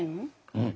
うん。